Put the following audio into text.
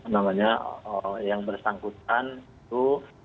namanya yang bersangkutan itu